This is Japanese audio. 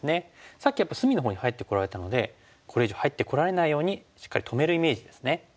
さっきやっぱり隅のほうに入ってこられたのでこれ以上入ってこられないようにしっかり止めるイメージですね。